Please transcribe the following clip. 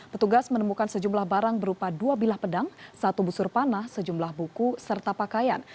petugas menemukan sejumlah barang berupa dua bilah pedang satu busur panah sejumlah buku serta pakaian